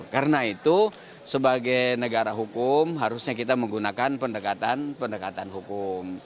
karena itu sebagai negara hukum harusnya kita menggunakan pendekatan pendekatan hukum